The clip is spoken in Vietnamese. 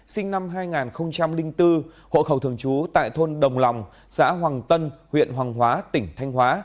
sinh năm hai nghìn bốn hộ khẩu thường trú tại thôn đồng lòng xã hoàng tân huyện hoàng hóa tỉnh thanh hóa